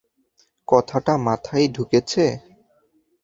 কথাটা মাথায় ঢুকেছে?